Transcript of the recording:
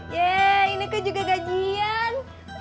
yeay ineke juga gajian